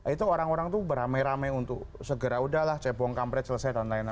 itu orang orang itu beramai ramai untuk segera udahlah cebong kampret selesai dan lain lain